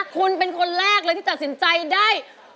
คุณเป็นคนแรกเลยที่ตัดสินใจได้